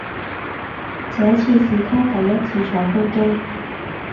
這次是她第一次坐飛機。